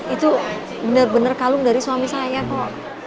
itu bener bener kalung dari suami saya kok